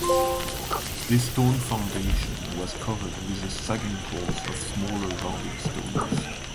This stone foundation was covered with a second course of smaller rounded stones.